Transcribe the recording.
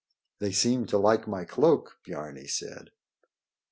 "They seem to like my cloak," Biarni said.